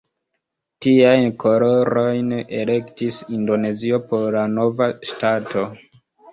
Tiajn kolorojn elektis Indonezio por la nova ŝtato.